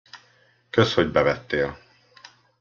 Kösz, hogy bevettél.